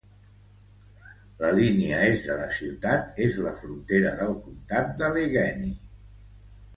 La línia est de la ciutat és la frontera del comptat d'Allegany.